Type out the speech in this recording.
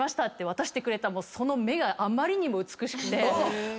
渡してくれたその目があまりにも美しくて。